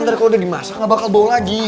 ntar kalau udah dimasak nggak bakal bau lagi